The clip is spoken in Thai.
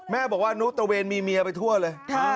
แม่บอกว่านุตระเวนมีเมียไปทั่วเลย